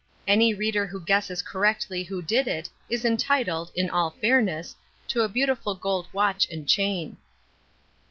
Any reader who guesses correctly who did it is entitled (in all fairness) to a beautiful gold watch and chain.